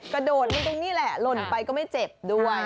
กระโดดลงตรงนี้แหละหล่นไปก็ไม่เจ็บด้วย